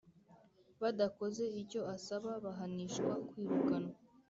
Badakoze icyo asaba bahanishwa kwirukanwa